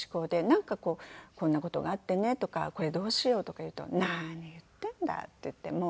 なんかこう「こんな事があってね」とか「これどうしよう？」とか言うと「何言ってんだ！」って言って。